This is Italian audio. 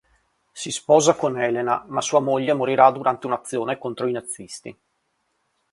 Si sposa con Helena ma sua moglie morirà durante un'azione contro i nazisti.